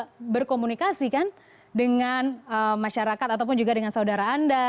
anda pasti butuh berkomunikasi kan dengan masyarakat ataupun juga dengan saudara anda